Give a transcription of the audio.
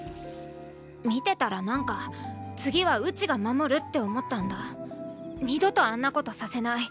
見てたら何か次はうちが守るって思ったんだ二度とあんなことさせない。